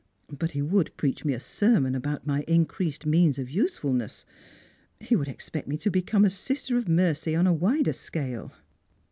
But he would preach me a sermon about my increa»;d means of usefulness; he would expect me to become ». sister of mercy on a wider scale."